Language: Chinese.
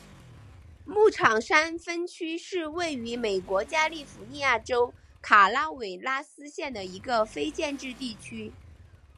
牧场山分区是位于美国加利福尼亚州卡拉韦拉斯县的一个非建制地区。